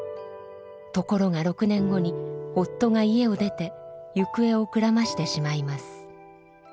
ところが６年後に夫が家を出て行方をくらましてしまいます。